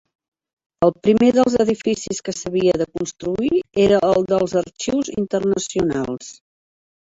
El primer dels edificis que s'havia de construir era el dels Arxius Internacionals.